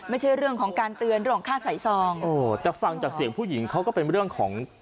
ไม่ใช่เรื่องของการเตือนเรื่องค่าใส่ซองโอ้แต่ฟังจากเสียงผู้หญิงเขาก็เป็นเรื่องของ